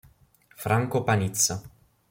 Franco Panizza